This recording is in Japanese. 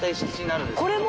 これも？